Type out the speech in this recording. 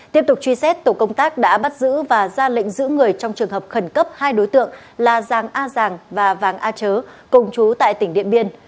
tiếp tục truy xét tổ công tác đã bắt giữ và ra lệnh giữ người trong trường hợp khẩn cấp hai đối tượng là giàng a giàng và vàng a chớ cùng chú tại tỉnh điện biên